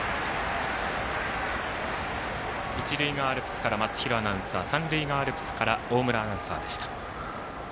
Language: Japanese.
一塁側アルプスから松廣アナウンサー三塁側アルプスから大村アナウンサーでした。